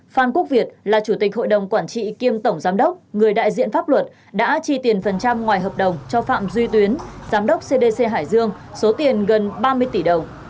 phan quốc việt là chủ tịch hội đồng quản trị kiêm tổng giám đốc người đại diện pháp luật đã chi tiền phần trăm ngoài hợp đồng cho phạm duy tuyến giám đốc cdc hải dương số tiền gần ba mươi tỷ đồng